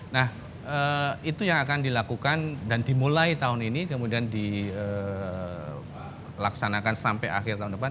nah itu yang akan dilakukan dan dimulai tahun ini kemudian dilaksanakan sampai akhir tahun depan